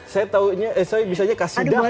saya tahu eh misalnya kasih daftar